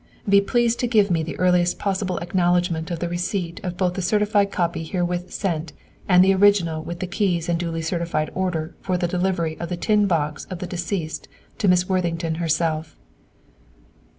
"Be pleased to give me the earliest possible acknowledgment of the receipt of both the certified copy herewith sent and the original with the keys and duly certified order for the delivery of the tin box of the deceased to Miss Worthington herself."